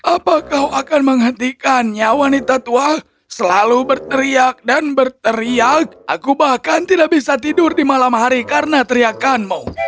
apa kau akan menghentikannya wanita tua selalu berteriak dan berteriak aku bahkan tidak bisa tidur di malam hari karena teriakanmu